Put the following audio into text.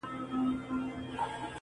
هغه ښار چي تا یې نکل دی لیکلی -